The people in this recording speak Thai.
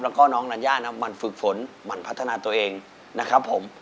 แล้วก็น้องธัญญานะหมั่นฝึกฝนหมั่นพัฒนาตัวเองนะครับผม